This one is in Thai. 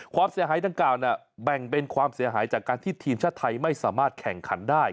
ความเสียหายดังกล่าวแบ่งเป็นความเสียหายจากการที่ทีมชาติไทยไม่สามารถแข่งขันได้